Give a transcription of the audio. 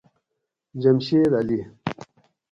جمشید علی